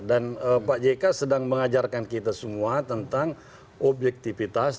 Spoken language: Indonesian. dan pak jk sedang mengajarkan kita semua tentang objektifitas